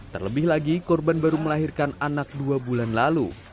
terlebih lagi korban baru melahirkan anak dua bulan lalu